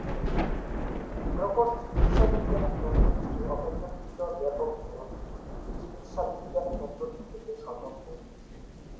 প্রকট চিকিৎসাবিজ্ঞান ক্ষেত্রটি অপেক্ষাকৃত ব্যাপক জরুরি চিকিৎসাবিজ্ঞান ক্ষেত্রটি থেকে স্বতন্ত্র।